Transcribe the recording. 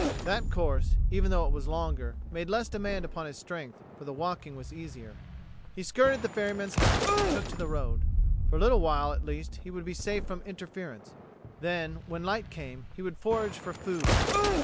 That course, even though it was longer, made less demand upon his strength, for the walking was easier. He skirted the ferryman's house and took to the road. For a little while at least he would be safe from interference; then, when light came, he would forage for food.